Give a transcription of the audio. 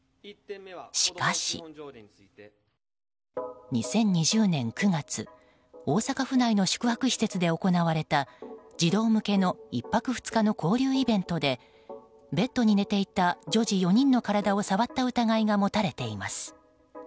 しかし、２０２０年９月大阪府内の宿泊施設で行われた児童向けの１泊２日の交流イベントでベッドに寝ていた女児４人の体を触った疑いが持たれています。